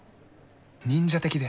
忍者的で。